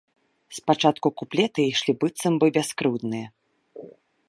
Спачатку куплеты ішлі быццам бы бяскрыўдныя.